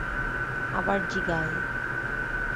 আবার জিগায়!